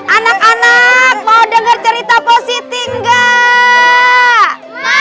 anak anak mau denger cerita positi enggak